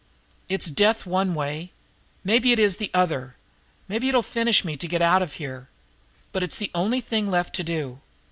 It's death one way; maybe it is the other, maybe it'll finish me to get out of here, but it's the only thing left to do.